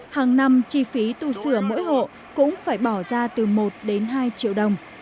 hàng năm chi phí tu sửa mỗi hộ cũng phải bỏ ra từ một đến hai triệu đồng